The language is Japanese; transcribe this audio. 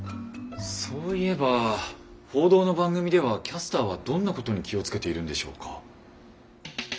そういえば報道の番組ではキャスターはどんなことに気を付けているんでしょうか？